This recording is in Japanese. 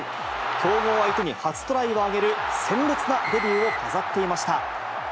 強豪相手に初トライを挙げる鮮烈なデビューを飾っていました。